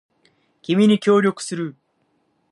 君に協力する